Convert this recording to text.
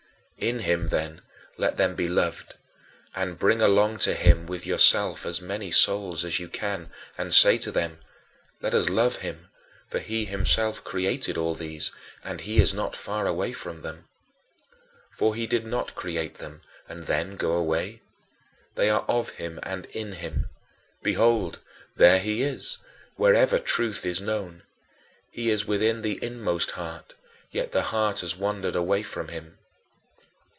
In him, then, let them be loved; and bring along to him with yourself as many souls as you can, and say to them: "Let us love him, for he himself created all these, and he is not far away from them. For he did not create them, and then go away. They are of him and in him. Behold, there he is, wherever truth is known. He is within the inmost heart, yet the heart has wandered away from him.